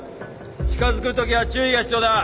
近づくときは注意が必要だ。